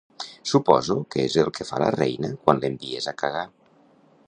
Suposo que és el que fa la Reina quan l'envies a cagar.